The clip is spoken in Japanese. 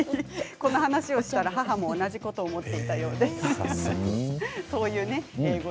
この話をしたら母も同じことを思っていたようです。